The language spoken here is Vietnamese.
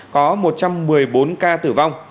có một trăm một mươi bốn ca tử vong